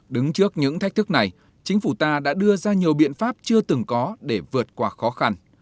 đứng trước những thách thức này chính phủ ta đã đưa ra nhiều biện pháp chưa từng có để vượt qua khó khăn